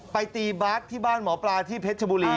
ไปตีบาร์ดที่บ้านหมอปลาที่เพชรชบุรี